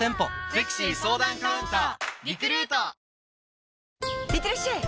いってらっしゃい！